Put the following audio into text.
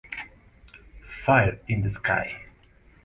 Fire in the Sky.